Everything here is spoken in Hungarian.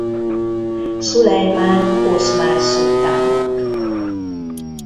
Szulejmán oszmán szultánnak.